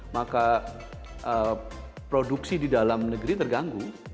maka produksi di dalam negeri terganggu